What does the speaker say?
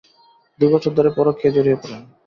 দুই বছর ধরে পরকীয়ায় জড়িয়ে পড়েন।